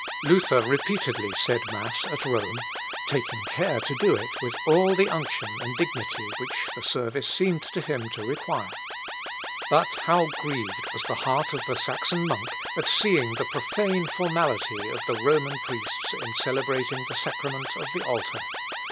(Ibid.) Luther repeatedly said mass at Rome, taking care to do it with all the unction and dignity which the service seemed to him to require. But how grieved was the heart of the Saxon monk, at seeing the profane formality of the Roman priests in celebrating the sacrament of the altar.